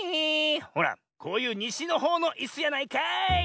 ほらこういうにしのほうのいすやないかい！